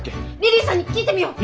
リリィさんに聞いてみよう！